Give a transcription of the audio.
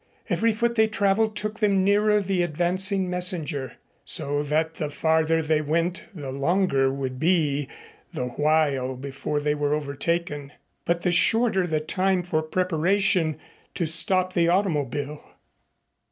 Every foot they traveled took them nearer the advancing messenger. So that the farther they went the longer would be the while before they were overtaken, but the shorter the time for preparation to stop the automobile.